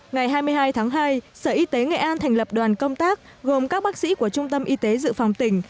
ngày hai mươi hai tháng hai sở y tế nghệ an thành lập đoàn công tác gồm các bác sĩ của trung tâm y tế dự phòng tỉnh